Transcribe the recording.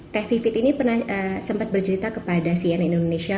teh vivid ini pernah sempat bercerita kepada cn indonesia